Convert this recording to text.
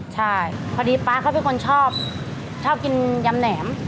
ใช่พอดีป๊าเขาเป็นคนชอบชอบกินยำแหนม